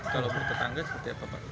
kalau bertetangga seperti apa pak